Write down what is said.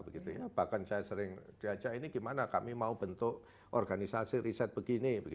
bahkan saya sering diajak ini gimana kami mau bentuk organisasi riset begini